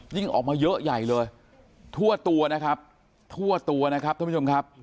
ออกมาเยอะใหญ่เลยทั่วตัวนะครับทั่วตัวนะครับท่านผู้ชมครับ